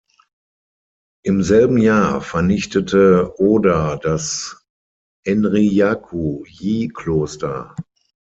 Im selben Jahr vernichtete Oda das Enryaku-ji-Kloster.